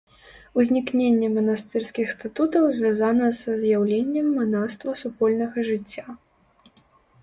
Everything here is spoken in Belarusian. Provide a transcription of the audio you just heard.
Узнікненне манастырскіх статутаў звязана са з'яўленнем манаства супольнага жыцця.